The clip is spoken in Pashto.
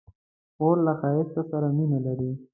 خور له ښایست سره مینه لري.